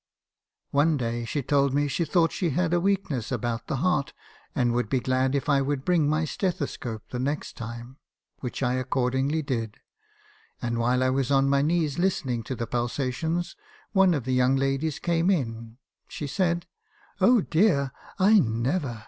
One day she told me she thought she had a weakness about the heart, and would be glad if I would bring my stetho scope the next time , which I accordingly did ; and while I was on my knees listening to the pulsations, one of the young ladies came in. She said: "' Oh dear! I never!